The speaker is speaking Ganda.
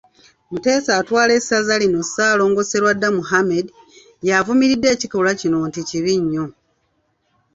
Muteesa atwala essaza lino, Ssaalongo Sserwadda Muhammed, yavumiridde ekikolwa kino nti kibi nyo.